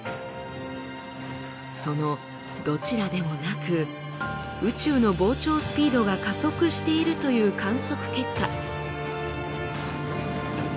そのどちらでもなく宇宙の膨張スピードが加速しているという観測結果。